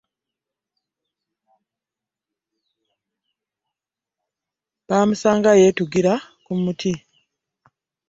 Bamusanga yetugira ku muti.